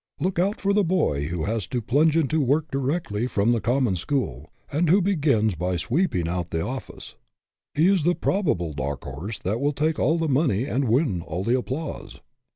Look out for the boy who has to plunge into work directly from the common school, and who begins by sweeping out the office. He is the probable dark horse that will take all the money and win all the applause."